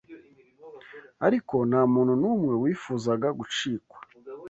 ariko nta muntu n’umwe wifuzaga gucikwa